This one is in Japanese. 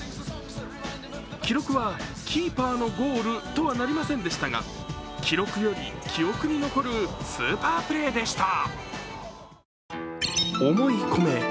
記録はキーパーのゴールとはなりませんでしたが記録より記憶に残るスーパープレーでした。